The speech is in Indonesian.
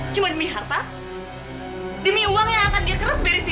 jangan jangan kamu udah dekat sama dia